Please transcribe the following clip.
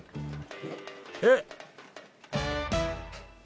えっ！